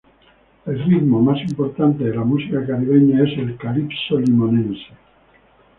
El ritmo más importante de la música caribeña es el calipso limonense.